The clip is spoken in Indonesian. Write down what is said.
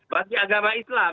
bagi agama islam